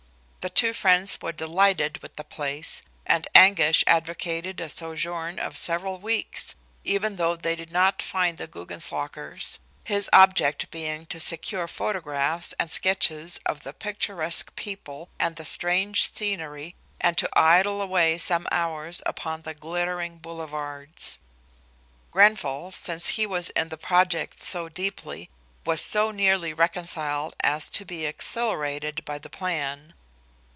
The two friends were delighted with the place, and Anguish advocated a sojourn of several weeks, even though they did not find the Guggenslockers, his object being to secure photographs and sketches of the picturesque people and the strange scenery, and to idle away some hours upon the glittering boulevards. Grenfall, since he was in the project so deeply, was so nearly reconciled as to be exhilarated by the plan.